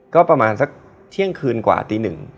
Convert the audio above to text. ก็ประมาณสักเที่ยงคืนกว่าตีหนึ่ง